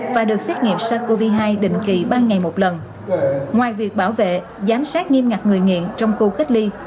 trong khi các bác sĩ được bảo vệ giám sát nghiêm ngặt người nghiện trong khu cách ly